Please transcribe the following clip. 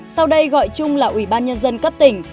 sau đây gọi chung là ủy ban nhân dân cấp tỉnh